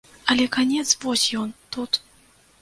А канец вось ён, тут.